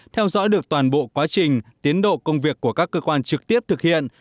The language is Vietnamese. theo dõi được toàn bộ quá trình tiến độ công việc của các cơ quan trực tiếp thực hiện